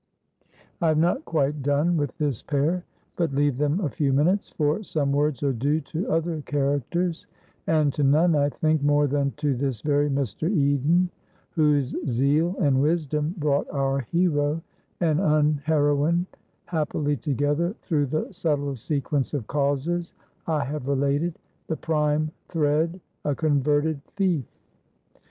I have not quite done with this pair, but leave them a few minutes, for some words are due to other characters, and to none, I think, more than to this very Mr. Eden, whose zeal and wisdom brought our hero and unheroine happily together through the subtle sequence of causes I have related, the prime thread a converted thief.